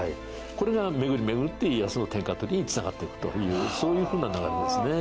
これが巡り巡って家康の天下取りに繋がっていくというそういうふうな流れですね。